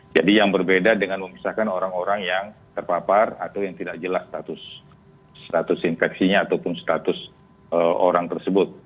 jadi yang berbeda dengan memisahkan orang orang yang terpapar atau yang tidak jelas status infeksinya ataupun status orang tersebut